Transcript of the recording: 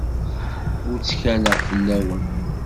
Ur ttkaleɣ fell-awen.